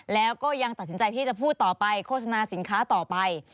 แล้วก็ยังตัดสินใจที่จะพูดต่อไปโฆษณาสินค้าต่อไป